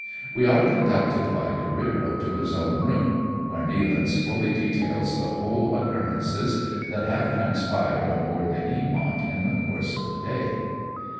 "We are conducted by Careero to his own room, where Nealance fully details the whole occurrences that have transpired on board the Eamont in the course of the day.